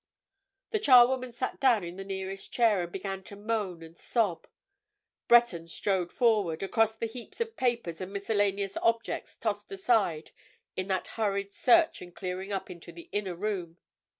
The charwoman sat down in the nearest chair and began to moan and sob; Breton strode forward, across the heaps of papers and miscellaneous objects tossed aside in that hurried search and clearing up, into the inner room.